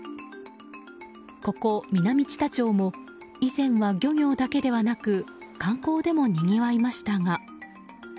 ここ、南知多町も以前は漁業だけではなく観光でも、にぎわいましたが。